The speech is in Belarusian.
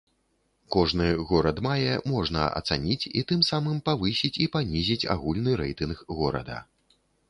Кожны горад мае можна ацаніць і тым самым павысіць і панізіць агульны рэйтынг горада.